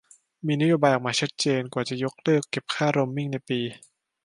มีนโยบายออกมาชัดเจนว่าจะยกเลิกเก็บค่าโรมมิ่งในปี